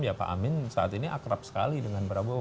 ya pak amin saat ini akrab sekali dengan prabowo